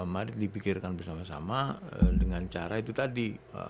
marit dipikirkan bersama sama dengan cara itu tadi